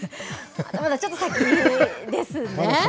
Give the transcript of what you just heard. まだまだちょっと先ですね。